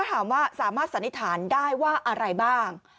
และถามว่าสามารถศัลย์ฐานได้ว่าอะไรบ้าง